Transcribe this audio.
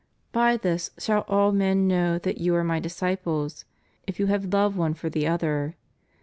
By this shall all men know that you are My disciples, if you have love one for the other."